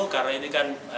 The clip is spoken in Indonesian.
karena ini kan pilihan